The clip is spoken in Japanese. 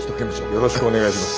よろしくお願いします。